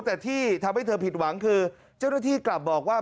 แต่ที่ทำให้เธอผิดหวังคือเจ้าหน้าที่กลับบอกว่า